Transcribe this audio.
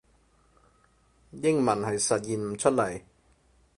英文係實現唔出嚟